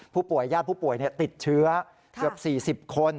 ผู้ป่วยญาติผู้ป่วยติดเชื้อเกือบ๔๐คน